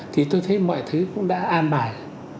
thì tôi thấy mọi thứ cũng đã an bài